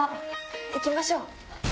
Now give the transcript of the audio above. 行きましょう。